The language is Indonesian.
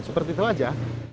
seperti itu aja